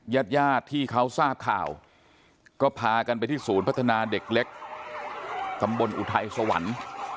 ญาติญาติที่เขาทราบข่าวก็พากันไปที่ศูนย์พัฒนาเด็กเล็กตำบลอุทัยสวรรค์